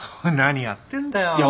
何やってんだよ！